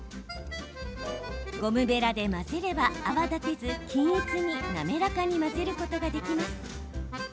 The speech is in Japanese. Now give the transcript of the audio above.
ゴムべらで混ぜれば泡立てず均一に滑らかに混ぜることができます。